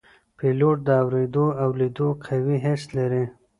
پیلوټ د اوریدو او لیدو قوي حس لري.